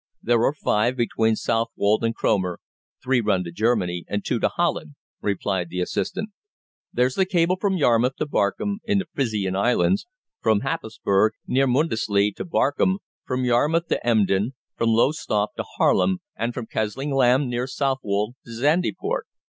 "There are five between Southwold and Cromer three run to Germany, and two to Holland," replied the assistant. "There's the cable from Yarmouth to Barkum, in the Frisian Islands; from Happisburg, near Mundesley, to Barkum; from Yarmouth to Emden; from Lowestoft to Haarlem, and from Kessingland, near Southwold, to Zandyport."